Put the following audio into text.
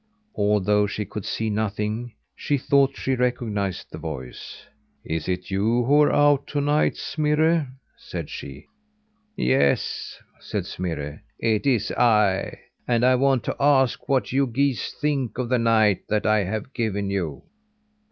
Although she could see nothing, she thought she recognised the voice. "Is it you who are out to night, Smirre?" said she. "Yes," said Smirre, "it is I; and I want to ask what you geese think of the night that I have given you?"